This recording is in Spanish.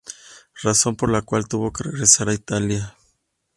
Razón por la cual tuvo que regresar a Italia.